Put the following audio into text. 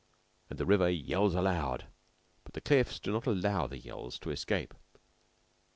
And the river yells aloud; but the cliffs do not allow the yells to escape.